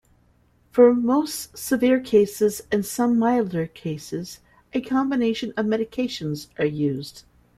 For most severe cases and some milder cases, a combination of medications are used.